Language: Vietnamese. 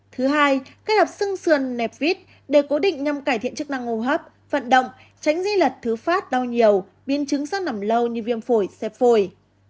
thứ hai kết hợp xương xườn nẹp vít để cố định nhằm cải thiện chức năng hô hấp vận động tránh di lật thứ phát đau nhiều biến chứng sắc nằm lâu như viêm phổi xe phổi